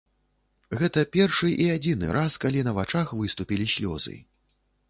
Гэта першы і адзіны раз, калі на вачах выступілі слёзы.